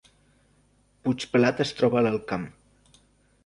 Puigpelat es troba a l’Alt Camp